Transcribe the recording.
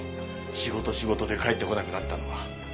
仕事仕事で帰ってこなくなったのは。